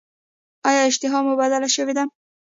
ایا اشتها مو بدله شوې ده؟